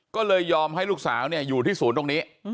ก็เลยยอมให้ลูกสาวอยู่ที่ศูนย์ตรงนี้